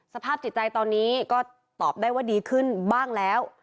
สภาพจิตใจตอนนี้ก็ตอบได้ว่าดีขึ้นบ้างแล้ว